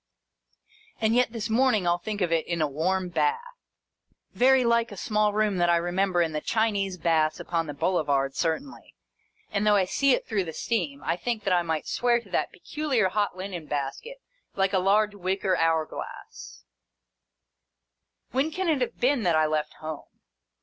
And yet this morning — I '11 think of it in a warm bath. Very like a small room that I remember in the Chinese Baths upon the Boulevard, cer tainly ; and, though I see it through the steam, I think that I might swear to that peculiar hot lineu basket, like a large wicker ch«!« Dicken,.] THE FOBTUNES OF THE EEVEREND CALEB ELLISON. 533 hour glass. When can it have been that I left home